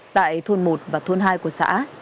tại thôn một và thôn hai của xã